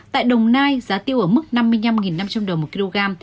tại đồng nai giá tiêu ở mức năm mươi năm năm trăm linh đồng một kg